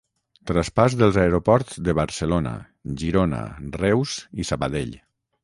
Traspàs dels aeroports de Barcelona, Girona, Reus i Sabadell